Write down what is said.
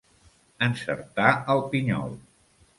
Encertar el pinyol.